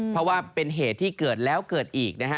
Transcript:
เพราะว่าเป็นเหตุที่เกิดแล้วเกิดอีกนะฮะ